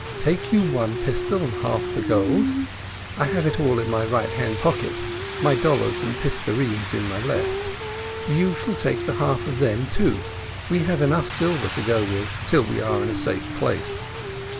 Take you one pistol, and take half the gold I have it all in my right hand pocket my dollars and pistarenes in my left. You shall take half of them too. We have silver enough to go on with till we are in a safe place."